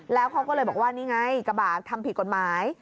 แล้วเขาก็เลยบอกว่านี่ไงกระบะทำผิดกฎหมาย